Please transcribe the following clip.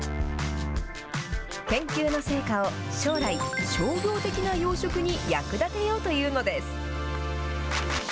研究の成果を将来、商業的な養殖に役立てようというのです。